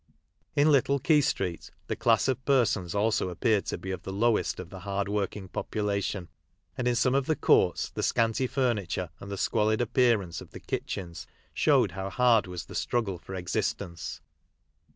In Little Quay street the class of persons also appeared to be of the lowest of the hard world ng population, and in some of the courts the scanty furniture and the squalid appearance of t lie I: itch en a showed how hard was the struggle for existence.